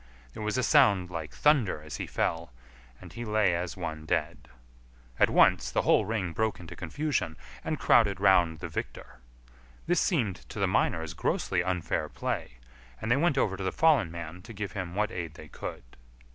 There was a sound like thunder as he fell, and he lay as one dead. At once the whole ring broke into confusion and crowded round the victor. This seemed to the miners grossly unfair play, and they went over to the fallen man to give him what aid they could.